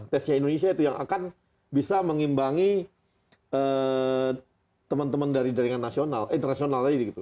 tesnya indonesia itu yang akan bisa mengimbangi teman teman dari jaringan nasional internasional tadi gitu